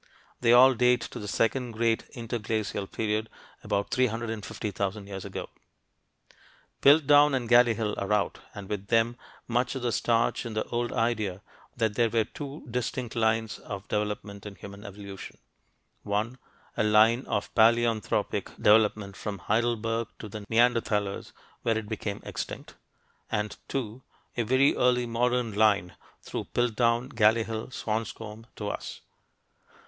They all date to the second great interglacial period, about 350,000 years ago. Piltdown and Galley Hill are out, and with them, much of the starch in the old idea that there were two distinct lines of development in human evolution: (1) a line of "paleoanthropic" development from Heidelberg to the Neanderthalers where it became extinct, and (2) a very early "modern" line, through Piltdown, Galley Hill, Swanscombe, to us.